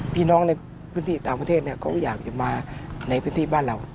พี่น้องในพื้นที่ต่างประเทศเขาอยากจะมาในพื้นที่บ้านเรา